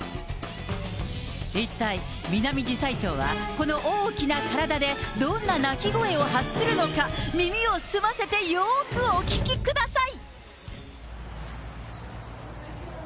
一体ミナミジサイチョウは、この大きな体で、どんな鳴き声を発するのか、耳を澄ませてよーくお聞きください。